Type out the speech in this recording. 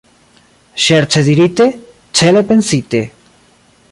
Ŝerce dirite, cele pensite.